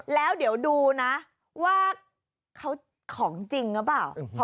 แล้วเดี๋ยวดูนะว่าเขาของจริงหรือเปล่า